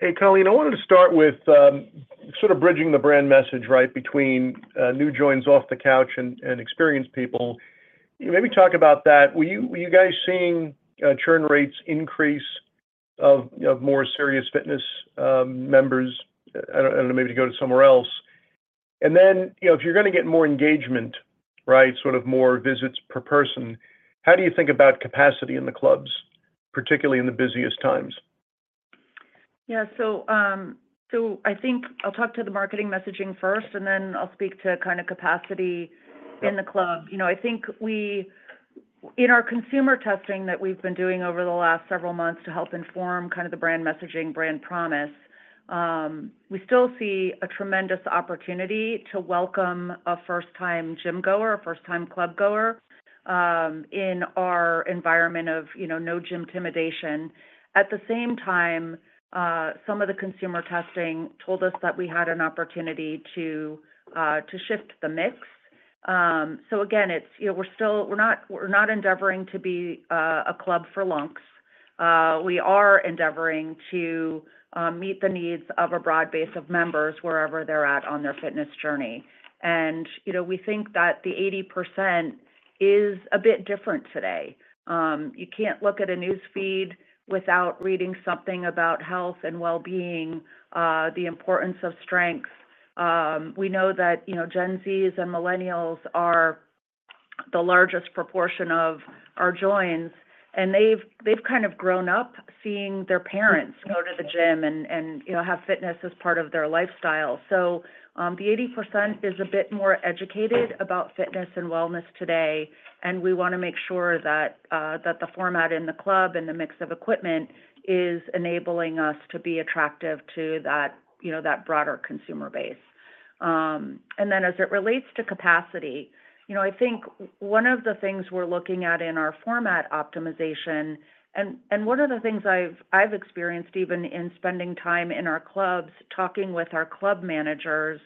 Hey, Colleen, I wanted to start with sort of bridging the brand message, right, between new joins off the couch and experienced people. Maybe talk about that. Were you guys seeing churn rates increase of more serious fitness members? I don't know. Maybe to go to somewhere else. And then if you're going to get more engagement, right, sort of more visits per person, how do you think about capacity in the clubs, particularly in the busiest times? Yeah. So I think I'll talk to the marketing messaging first, and then I'll speak to kind of capacity in the club. I think in our consumer testing that we've been doing over the last several months to help inform kind of the brand messaging, brand promise, we still see a tremendous opportunity to welcome a first-time gym-goer, a first-time club-goer in our environment of no gym intimidation. At the same time, some of the consumer testing told us that we had an opportunity to shift the mix. So again, we're not endeavoring to be a club for lunks. We are endeavoring to meet the needs of a broad base of members wherever they're at on their fitness journey. And we think that the 80% is a bit different today. You can't look at a newsfeed without reading something about health and well-being, the importance of strength. We know that Gen Zs and Millennials are the largest proportion of our joins. They've kind of grown up seeing their parents go to the gym and have fitness as part of their lifestyle. The 80% is a bit more educated about fitness and wellness today. We want to make sure that the format in the club and the mix of equipment is enabling us to be attractive to that broader consumer base. As it relates to capacity, I think one of the things we're looking at in our format optimization and one of the things I've experienced even in spending time in our clubs, talking with our club managers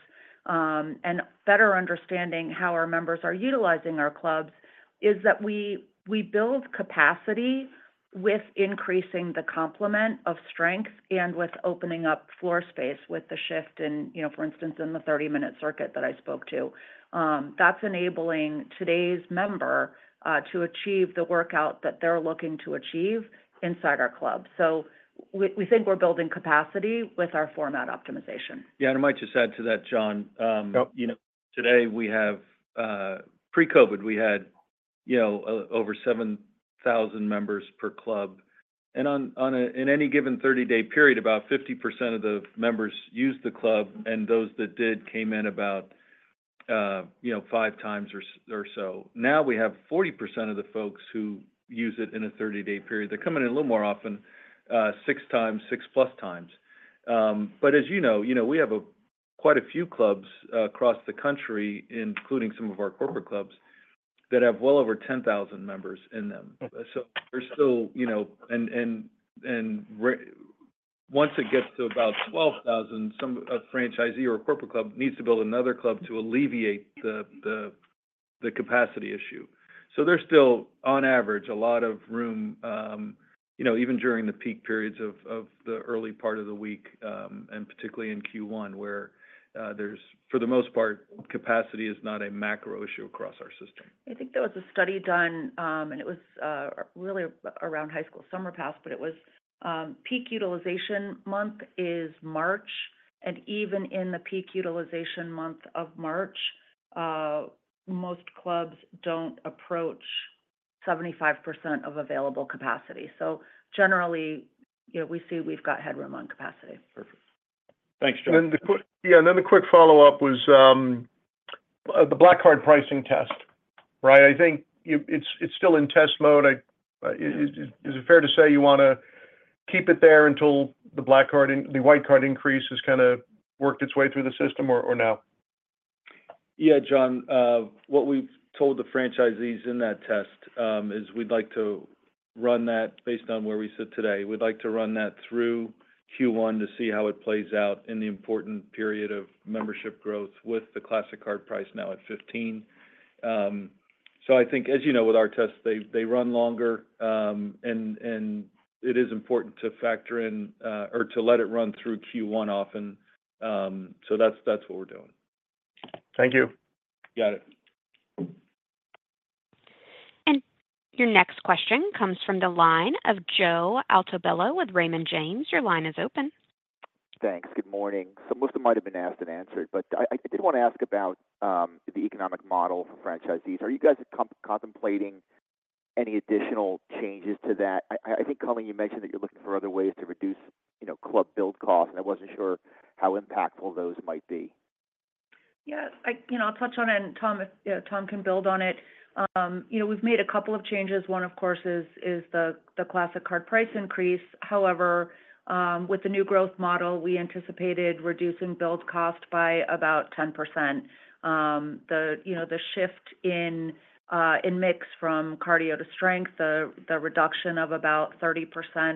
and better understanding how our members are utilizing our clubs, is that we build capacity with increasing the complement of strength and with opening up floor space with the shift in, for instance, in the 30-minute circuit that I spoke to. That's enabling today's member to achieve the workout that they're looking to achieve inside our club. So we think we're building capacity with our format optimization. Yeah. And I might just add to that, John. Today, pre-COVID, we had over 7,000 members per club. And in any given 30-day period, about 50% of the members used the club, and those that did came in about five times or so. Now we have 40% of the folks who use it in a 30-day period. They're coming in a little more often, six times, six-plus times. But as you know, we have quite a few clubs across the country, including some of our corporate clubs, that have well over 10,000 members in them. So there's still. And once it gets to about 12,000, a franchisee or a corporate club needs to build another club to alleviate the capacity issue. So there's still, on average, a lot of room, even during the peak periods of the early part of the week, and particularly in Q1, where for the most part, capacity is not a macro issue across our system. I think there was a study done, and it was really around High School Summer Pass, but it was peak utilization month is March. And even in the peak utilization month of March, most clubs don't approach 75% of available capacity. So generally, we see we've got headroom on capacity. Perfect. Thanks, John. Yeah. And then the quick follow-up was the Black Card pricing test, right? I think it's still in test mode. Is it fair to say you want to keep it there until the Classic Card increase has kind of worked its way through the system or no? Yeah, John. What we've told the franchisees in that test is we'd like to run that based on where we sit today. We'd like to run that through Q1 to see how it plays out in the important period of membership growth with the Classic Card price now at $15. So I think, as you know, with our tests, they run longer, and it is important to factor in or to let it run through Q1 often. So that's what we're doing. Thank you. Got it. And your next question comes from the line of Joe Altobello with Raymond James. Your line is open. Thanks. Good morning. So most of them might have been asked and answered, but I did want to ask about the economic model for franchisees. Are you guys contemplating any additional changes to that? I think, Colleen, you mentioned that you're looking for other ways to reduce club build costs, and I wasn't sure how impactful those might be. Yeah. I'll touch on it, and Tom can build on it. We've made a couple of changes. One, of course, is the Classic Card price increase. However, with the new growth model, we anticipated reducing build cost by about 10%. The shift in mix from cardio to strength, the reduction of about 30%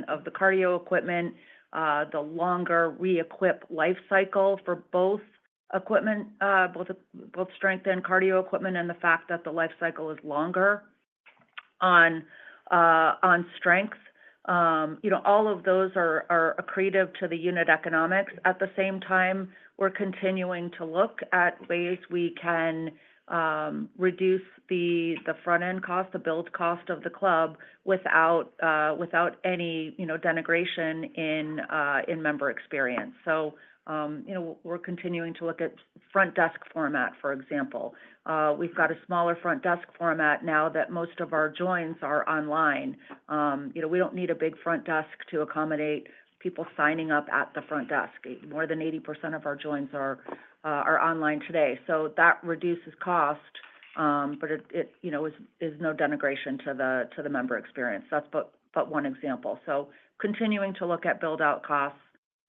of the cardio equipment, the longer re-equip life cycle for both strength and cardio equipment, and the fact that the life cycle is longer on strength, all of those are accretive to the unit economics. At the same time, we're continuing to look at ways we can reduce the front-end cost, the build cost of the club, without any denigration in member experience. We're continuing to look at front desk format, for example. We've got a smaller front desk format now that most of our joins are online. We don't need a big front desk to accommodate people signing up at the front desk. More than 80% of our joins are online today. So that reduces cost, but it is no detriment to the member experience. That's but one example. So continuing to look at build-out costs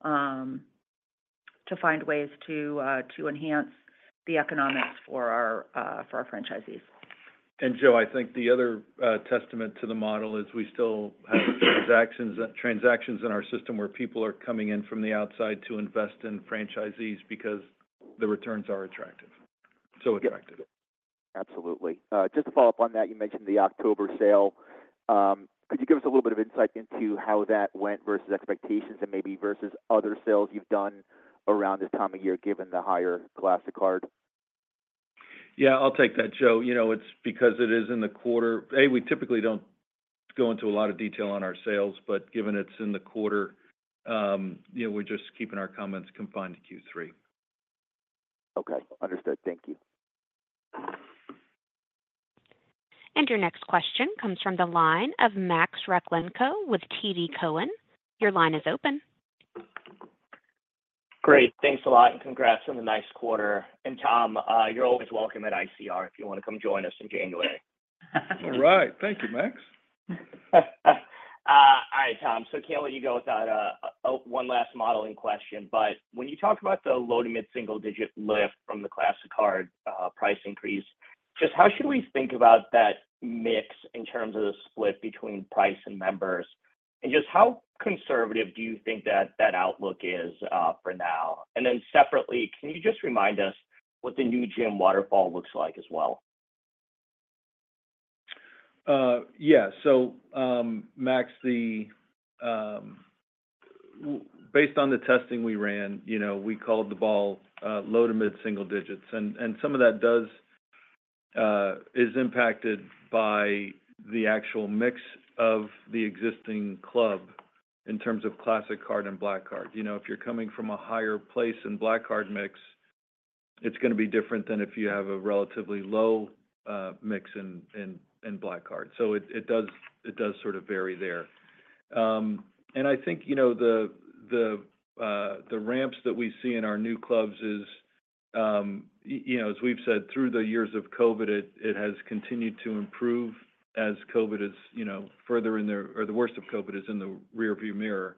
to find ways to enhance the economics for our franchisees. And Joe, I think the other testament to the model is we still have transactions in our system where people are coming in from the outside to invest in franchisees because the returns are so attractive. Absolutely. Just to follow up on that, you mentioned the October sale. Could you give us a little bit of insight into how that went versus expectations and maybe versus other sales you've done around this time of year given the higher Classic Card? Yeah. I'll take that, Joe. It's because it is in the quarter. A, we typically don't go into a lot of detail on our sales, but given it's in the quarter, we're just keeping our comments confined to Q3. Okay. Understood. Thank you. And your next question comes from the line of Max Rakhlenko with TD Cowen. Your line is open. Great. Thanks a lot. Congrats on the nice quarter. And Tom, you're always welcome at ICR if you want to come join us in January. All right. Thank you, Max. All right, Tom. [inaudible] you go with one last modeling question. But when you talk about the low to mid-single-digit lift from the Classic Card price increase, just how should we think about that mix in terms of the split between price and members? And just how conservative do you think that that outlook is for now? And then separately, can you just remind us what the new gym waterfall looks like as well? Yeah. So Max, based on the testing we ran, we called the ball low to mid-single digits. And some of that is impacted by the actual mix of the existing club in terms of Classic Card and Black Card. If you're coming from a higher place in Black Card mix, it's going to be different than if you have a relatively low mix in Black Card. So it does sort of vary there. I think the ramps that we see in our new clubs is, as we've said, through the years of COVID, it has continued to improve as COVID is further in the rearview, the worst of COVID is in the rearview mirror.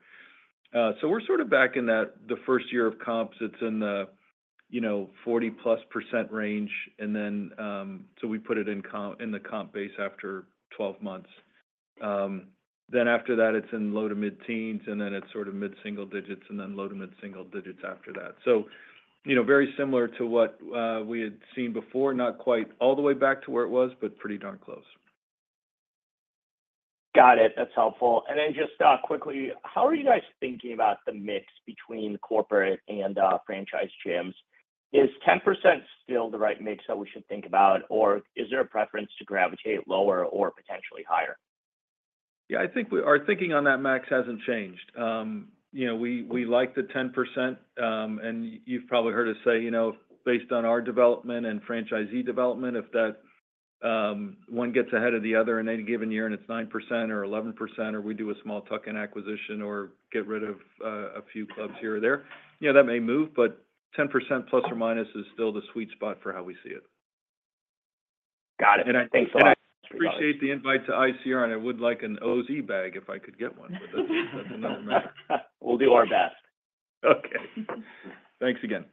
We're sort of back in the first year of comps. It's in the 40-plus% range. And then, so we put it in the comp base after 12 months. Then after that, it's in low to mid-teens%, and then it's sort of mid-single digits%, and then low to mid-single digits% after that. So very similar to what we had seen before, not quite all the way back to where it was, but pretty darn close. Got it. That's helpful. And then just quickly, how are you guys thinking about the mix between corporate and franchise gyms? Is 10% still the right mix that we should think about, or is there a preference to gravitate lower or potentially higher? Yeah. I think our thinking on that, Max, hasn't changed. We like the 10%. And you've probably heard us say, based on our development and franchisee development, if that one gets ahead of the other in any given year and it's 9% or 11%, or we do a small tuck-in acquisition or get rid of a few clubs here or there, that may move, but 10% plus or minus is still the sweet spot for how we see it. Got it. And I think. Appreciate the invite to ICR, and I would like an OZ bag if I could get one, but that's another matter. We'll do our best. Okay. Thanks again.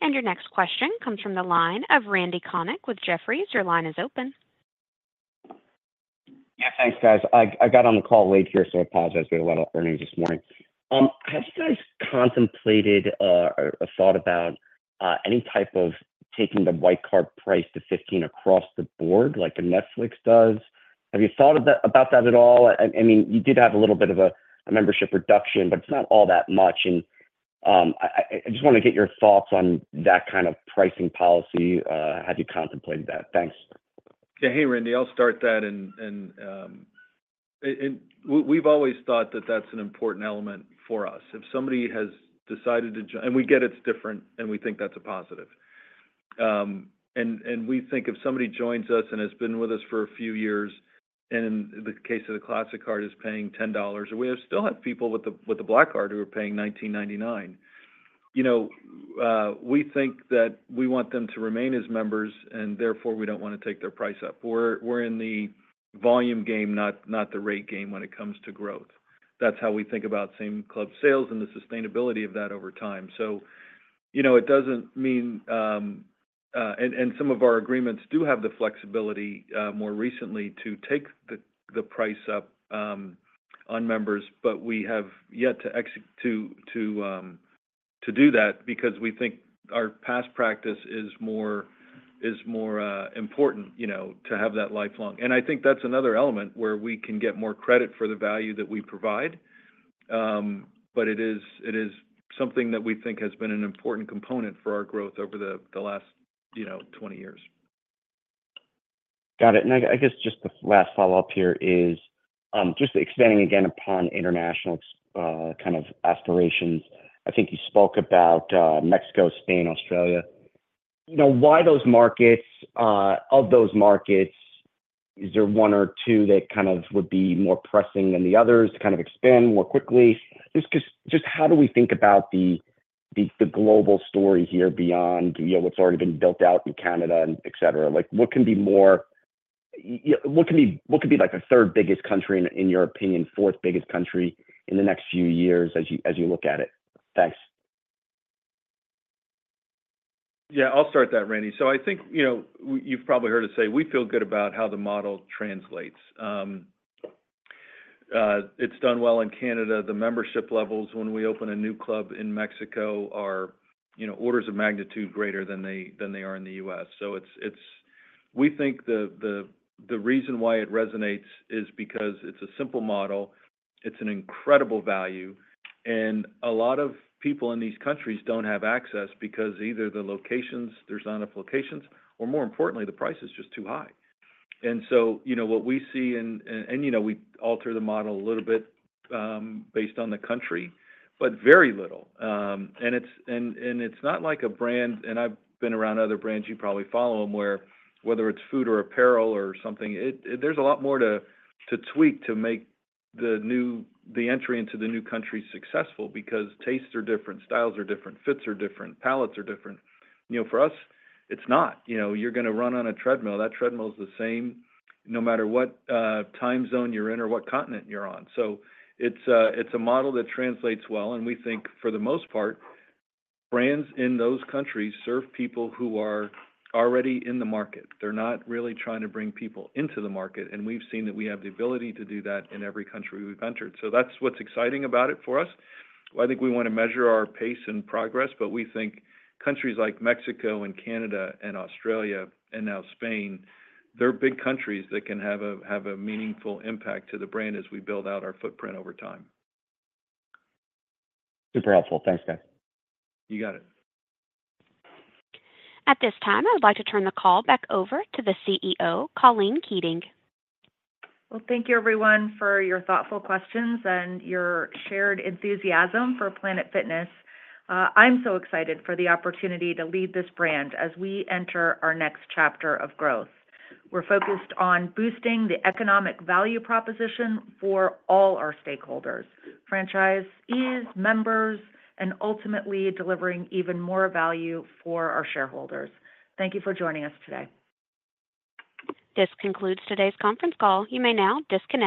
And your next question comes from the line of Randy Konik with Jefferies. Your line is open. Yeah. Thanks, guys. I got on the call late here, so I apologize. We had a lot of earnings this morning. Have you guys contemplated or thought about any type of taking the Black Card price to $15 across the board like Netflix does? Have you thought about that at all? I mean, you did have a little bit of a membership reduction, but it's not all that much. And I just want to get your thoughts on that kind of pricing policy. Have you contemplated that? Thanks. Yeah. Hey, Randy, I'll start that. And we've always thought that that's an important element for us. If somebody has decided to join, and we get it's different, and we think that's a positive. We think if somebody joins us and has been with us for a few years, and in the case of the Classic Card, is paying $10, we still have people with the Black Card who are paying $19.99. We think that we want them to remain as members, and therefore, we don't want to take their price up. We're in the volume game, not the rate game when it comes to growth. That's how we think about same club sales and the sustainability of that over time. So it doesn't mean, and some of our agreements do have the flexibility more recently to take the price up on members, but we have yet to do that because we think our past practice is more important to have that lifelong. I think that's another element where we can get more credit for the value that we provide, but it is something that we think has been an important component for our growth over the last 20 years. Got it. I guess just the last follow-up here is just expanding again upon international kind of aspirations. I think you spoke about Mexico, Spain, Australia. Why those markets? Of those markets, is there one or two that kind of would be more pressing than the others to kind of expand more quickly? Just how do we think about the global story here beyond what's already been built out in Canada, etc.? What could be the third biggest country and, in your opinion, fourth biggest country in the next few years as you look at it? Thanks. Yeah. I'll start that, Randy. So I think you've probably heard us say we feel good about how the model translates. It's done well in Canada. The membership levels, when we open a new club in Mexico, are orders of magnitude greater than they are in the U.S. So we think the reason why it resonates is because it's a simple model. It's an incredible value. And a lot of people in these countries don't have access because either there's not enough locations, or more importantly, the price is just too high. And so what we see, and we alter the model a little bit based on the country, but very little. And it's not like a brand (and I've been around other brands, you probably follow them) where whether it's food or apparel or something, there's a lot more to tweak to make the entry into the new country successful because tastes are different, styles are different, fits are different, palates are different. For us, it's not. You're going to run on a treadmill. That treadmill is the same no matter what time zone you're in or what continent you're on. So it's a model that translates well. And we think, for the most part, brands in those countries serve people who are already in the market. They're not really trying to bring people into the market. And we've seen that we have the ability to do that in every country we've entered. So that's what's exciting about it for us. I think we want to measure our pace and progress, but we think countries like Mexico and Canada and Australia and now Spain, they're big countries that can have a meaningful impact to the brand as we build out our footprint over time. Super helpful. Thanks, guys. You got it. At this time, I'd like to turn the call back over to the CEO, Colleen Keating. Well, thank you, everyone, for your thoughtful questions and your shared enthusiasm for Planet Fitness. I'm so excited for the opportunity to lead this brand as we enter our next chapter of growth. We're focused on boosting the economic value proposition for all our stakeholders, franchisees, members, and ultimately delivering even more value for our shareholders. Thank you for joining us today. This concludes today's conference call. You may now disconnect.